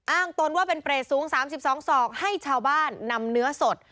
ตนว่าเป็นเปรตสูง๓๒ศอกให้ชาวบ้านนำเนื้อสด